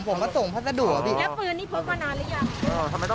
ผมก็ส่งพัฒนาดูดอ่ะพี่แล้วพื้นนี่พกมานานหรือยังอ๋อ